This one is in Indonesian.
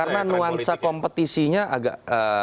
karena nuansa kompetisinya agak